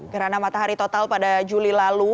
gerhana matahari total pada juli lalu